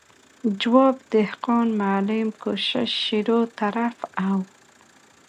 جواب، دهقان، معلم، کوشش، شروع، طرف او ...